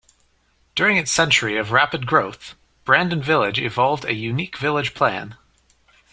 During its century of rapid growth, Brandon Village evolved a unique village plan.